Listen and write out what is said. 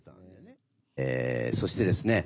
そしてですね